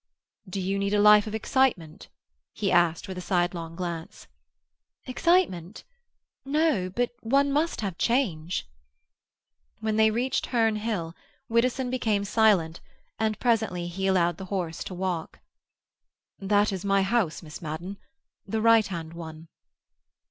"Do you need a life of excitement?" he asked, with a sidelong glance. "Excitement? No, but one must have change." When they reached Herne Hill, Widdowson became silent, and presently he allowed the horse to walk. "That is my house, Miss Madden—the right hand one."